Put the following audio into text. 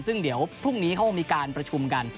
ซึ่งเดี๋ยวพรุ่งนี้เขามีการประชุมกัน